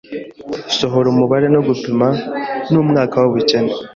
Sohora umubare no gupima mumwaka wubukene